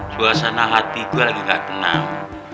suasana hati gue lagi gak tenang